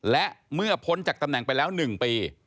และเมื่อพ้นจากตำแหน่งไปแล้ว๑ปี